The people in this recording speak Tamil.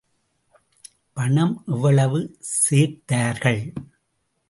பணம் எவ்வளவு சேர்த்தார்கள்?